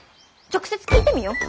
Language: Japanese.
直接聞いてみよう。